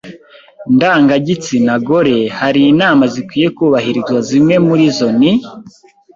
ndangagitsina gore hari inama zikwiye kubahirizwa Zimwe muri zo ni